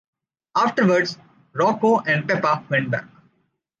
Afterwards, Rocco and Pepa went back.